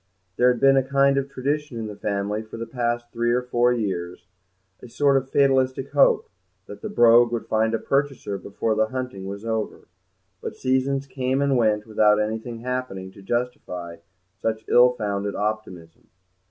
There had been a kind of tradition in the family for the past three or four years, a sort of fatalistic hope, that the Brogue would find a purchaser before the hunting was over; but seasons came and went without anything happening to justify such ill founded optimism.